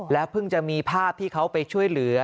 เพิ่งจะมีภาพที่เขาไปช่วยเหลือ